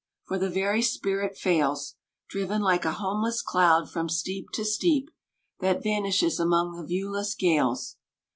For the very spirit fails, Driven like a homeless cloud from steep to steep That vanishes among the viewless gales